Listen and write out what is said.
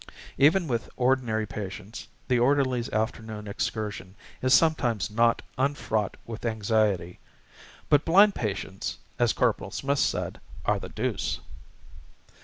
Even with ordinary patients the orderly's afternoon excursion is sometimes not unfraught with anxiety. But blind patients, as Corporal Smith said, are the deuce.